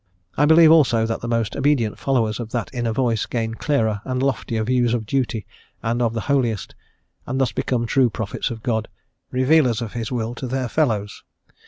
I believe also that the most obedient followers of that inner voice gain clearer and loftier views of duty and of the Holiest, and thus become true prophets of God, revealers of His will to their fellows.